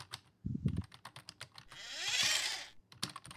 அவர் law weekly என்ற சட்டப் பத்திரிகைக்கும் ஆசிரியராக இருந்தார்.